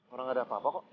orang gak ada apa apa kok